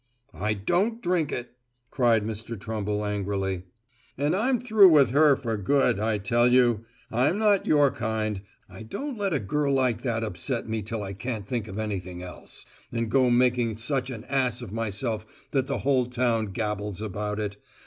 "I don't drink it!" cried Mr. Trumble angrily. "And I'm through with her for good, I tell you! I'm not your kind: I don't let a girl like that upset me till I can't think of anything else, and go making such an ass of myself that the whole town gabbles about it.